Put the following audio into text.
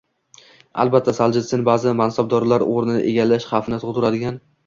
Albatta, Soljenitsin ba’zi mansabdorlar o‘rnini egallash xavfini tug‘diradigan